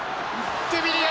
ドゥビリエ